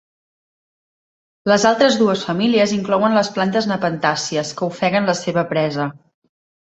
Les altres dues famílies inclouen les plantes nepentàcies, que ofeguen la seva presa.